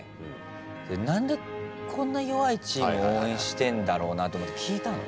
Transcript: なんでこんな弱いチームを応援してんだろうなと思って聞いたの。